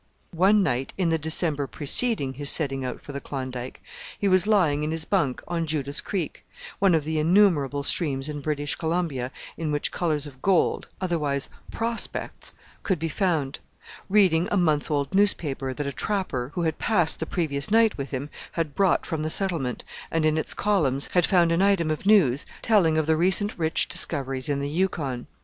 One night in the December preceding his setting out for the Klondike, he was lying in his bunk on Judas Creek one of the innumerable streams in British Columbia in which colours of gold, otherwise "prospects" could be found reading a month old newspaper that a trapper, who had passed the previous night with him, had brought from the settlement, and in its columns had found an item of news telling of the recent rich discoveries in the Yukon.